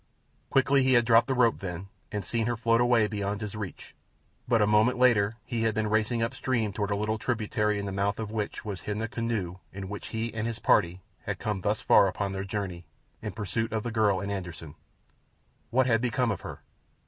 Quickly he had dropped the rope then and seen her float away beyond his reach, but a moment later he had been racing up stream toward a little tributary in the mouth of which was hidden the canoe in which he and his party had come thus far upon their journey in pursuit of the girl and Anderssen. What had become of her?